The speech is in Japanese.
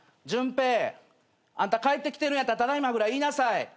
隼平あんた帰ってきてるんやったらただいまぐらい言いなさい。